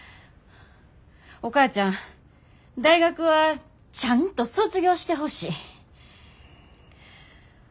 お母ちゃん大学はちゃんと卒業してほしい。